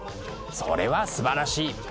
それはすばらしい！